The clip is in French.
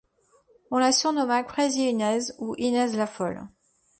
On la surnomma Crazy Inez, ou Inez la Folle.